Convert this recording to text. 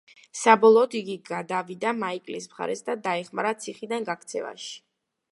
საბოლოოდ იგი გადავიდა მაიკლის მხარეს და დაეხმარა ციხიდან გაქცევაში.